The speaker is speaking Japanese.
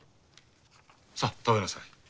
さあ食べなさい。